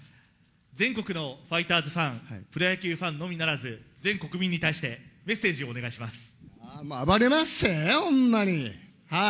全国のファイターズファン、プロ野球ファンのみならず、全国民に対して、暴れまっせ、ほんまに、はい。